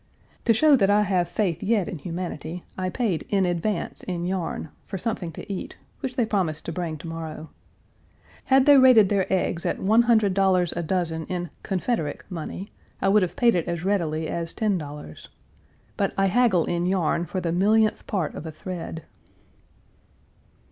To show that I have faith yet in humanity, I paid in advance in yarn for something to eat, which they promised to bring to morrow. Had they rated their eggs at $100 a dozen in "Confederick" money, I would have paid it as readily as $10. But I haggle in yarn for the millionth part of a thread.